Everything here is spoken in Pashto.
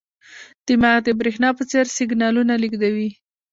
دماغ د برېښنا په څېر سیګنالونه لېږدوي.